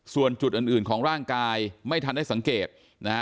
ส่วนจุดอื่นของร่างกายไม่ทันได้สังเกตนะฮะ